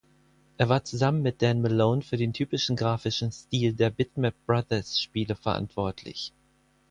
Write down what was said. Er war zusammen mit Dan Malone für den typischen grafischen Stil der Bitmap-Brothers-Spiele verantwortlich.